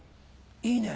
いいね。